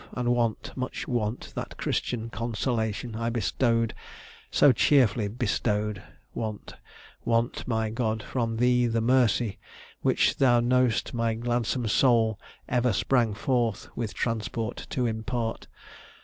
and want, much want, That Christian consolation I bestow'd; So cheerfully bestow'd! Want, want, my God, From thee the mercy, which, thou know'st my gladsome soul Ever sprang forth with transport to impart.